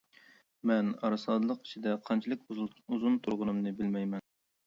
مەن ئارىسالدىلىق ئىچىدە قانچىلىك ئۇزۇن تۇرغىنىمنى بىلمەيمەن.